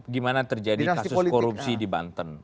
gimana terjadi kasus korupsi di banten